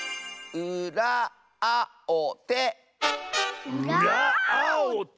うらあをて！